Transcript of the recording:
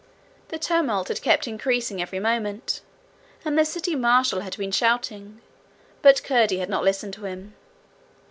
The tumult had kept increasing every moment, and the city marshal had been shouting, but Curdie had not listened to him.